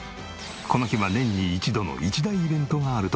この日は年に１度の一大イベントがあるという。